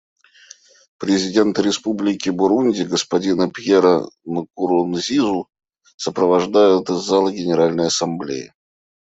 Президента Республики Бурунди господина Пьера Нкурунзизу сопровождают из зала Генеральной Ассамблеи.